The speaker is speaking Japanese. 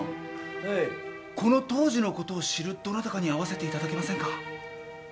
この当時のことを知るどなたかに会わせていただけませんか？